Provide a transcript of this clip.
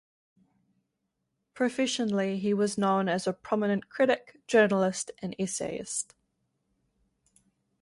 Professionally, he was known as a prominent critic, journalist, and essayist.